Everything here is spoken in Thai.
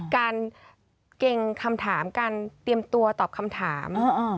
เก่งคำถามการเตรียมตัวตอบคำถาม